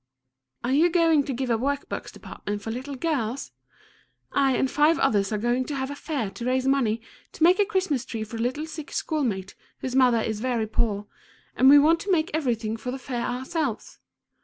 Are you going to give a work box department for little girls? I and five others are going to have a fair to raise money to make a Christmas tree for a little sick school mate whose mother is very poor, and we want to make everything for the fair ourselves.